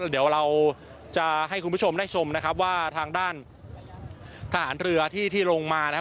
เดี๋ยวเราจะให้คุณผู้ชมได้ชมนะครับว่าทางด้านทหารเรือที่ที่ลงมานะครับ